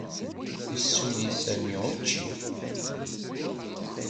Yessuli Sami učči.